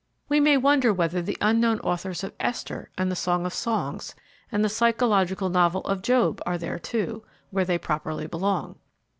We may wonder whether the unknown authors of "Esther" and "The Song of Songs" and the psychological novel of "Job" are there, too, where they properly belong.